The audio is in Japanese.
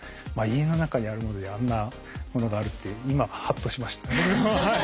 家の中にあるものであんなものがあるって今ハッとしました。